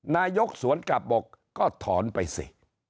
นายกสวนกลับบอกก็ถอนไปสิ